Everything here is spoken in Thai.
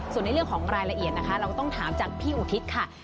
ส่วนในเรื่องของรายละเอียดนะคะเราก็ต้องถามจากพี่อุทิศค่ะ